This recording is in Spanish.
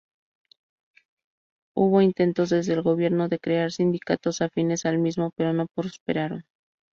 Hubo intentos desde el gobierno de crear sindicatos afines al mismo, pero no prosperaron.